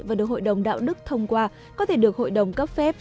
và được hội đồng đạo đức thông qua có thể được hội đồng cấp phép